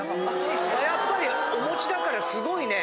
やっぱりお餅だからすごいね。